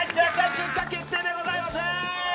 出荷決定でございます！